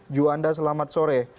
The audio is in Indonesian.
juanda selamat sore